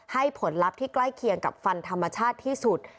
ผลลัพธ์ที่ใกล้เคียงกับฟันธรรมชาติที่สุด